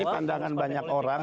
ini pandangan banyak orang